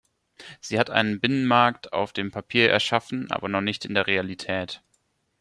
Sie hat einen Binnenmarkt auf dem Papier erschaffen, aber noch nicht in der Realität.